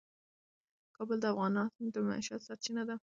کابل د افغانانو د معیشت سرچینه ده.